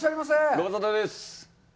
ご無沙汰です。